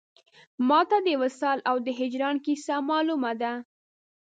ما ته د وصال او د هجران کیسه مالومه ده